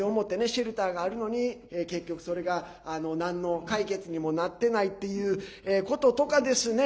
シェルターがあるのに結局、それがなんの解決にもなってないっていうこととかですね。